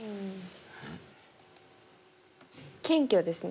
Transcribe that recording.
謙虚ですね